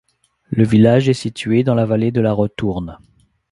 Le village est situé dans la vallée de la Retourne.